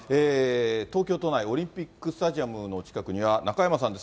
東京都内、オリンピックスタジアムの近くには中山さんです。